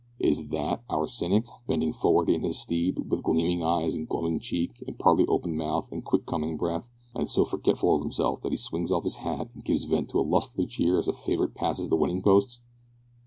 Is that our cynic, bending forward on his steed, with gleaming eyes and glowing cheek, and partly open mouth and quick coming breath, and so forgetful of himself that he swings off his hat and gives vent to a lusty cheer as the favourite passes the winning post?